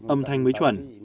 âm thanh mới chuẩn